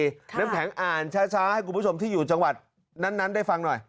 เอาให้ดูน้ำแข็งอ่านช้าให้คุณผู้ชมที่อยู่ในจังหวัดนั้นนั้นได้ฟังหน่อย